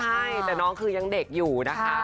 ใช่แต่น้องคือยังเด็กอยู่นะคะ